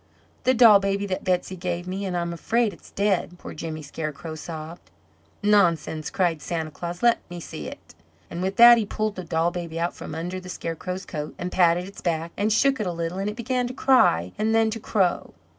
"The doll baby that Betsey gave me, and I'm afraid it's dead," poor Jimmy Scarecrow sobbed. "Nonsense!" cried Santa Claus. "Let me see it!" And with that he pulled the doll baby out from under the Scarecrow's coat, and patted its back, and shook it a little, and it began to cry, and then to crow.